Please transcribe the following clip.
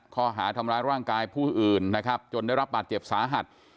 ข้อหาทำร้ายร่างกายผู้อื่นนะครับจนได้รับบาดเจ็บสาหัส